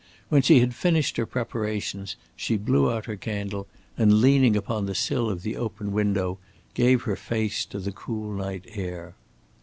When she had finished her preparations she blew out her candle, and leaning upon the sill of the open window, gave her face to the cool night air.